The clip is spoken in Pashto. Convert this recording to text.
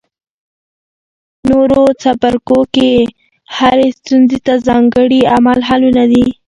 نورو څپرکو کې هرې ستونزې ته ځانګړي عملي حلونه دي.